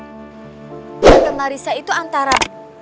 tentang marissa itu antara